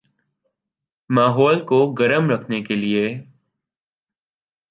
ماحول کو گرم رکھنے کے لئے